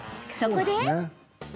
そこで！